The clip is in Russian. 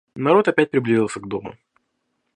Народ опять приблизился к дому.